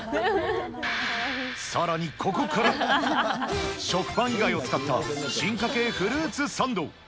さらにここから、食パン以外を使った進化系フルーツサンド。